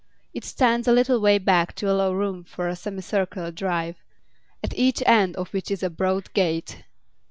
It stands a little way back to allow room for a semicircular drive, at each end of which is a broad gate.